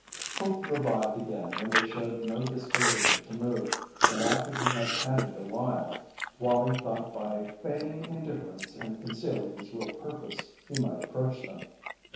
Hope revived again when they showed no disposition to move, and after he had panted awhile, Wallie thought that by feigning indifference and concealing his real purpose he might approach them.